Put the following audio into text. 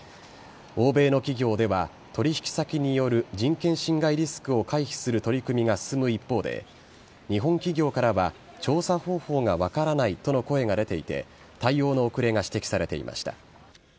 欧米の企業では、取り引き先による人権侵害リスクを回避する取り組みが進む一方で、日本企業からは調査方法が分からないとの声が出ていて、対応の遅れが指摘されていました。